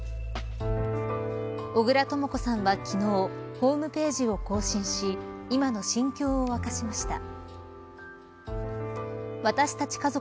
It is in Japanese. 小倉とも子さんは昨日ホームページを更新し今の心境を明かしました。